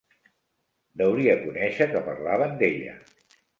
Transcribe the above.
Deuria conèixer que parlaven d'ella